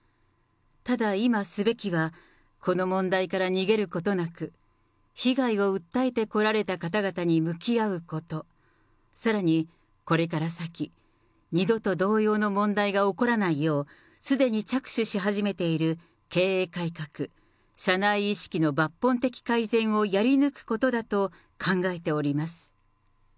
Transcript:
ただ、今すべきは、この問題から逃げることなく、被害を訴えてこられた方々に向き合うこと、さらにこれから先、二度と同様の問題が起こらないよう、すでに着手し始めている経営改革、社内意識の抜本的改善をやり抜くことだと考えております。